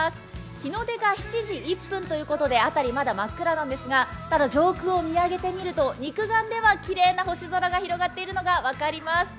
日の出が７時１分ということで、辺りはまだ真っ暗なんですが、上空を見上げてみると肉眼ではきれいな星空が広がっているのが分かります。